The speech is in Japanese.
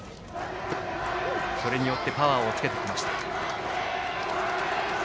それによってパワーをつけてきました。